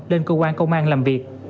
lên cơ quan công an làm việc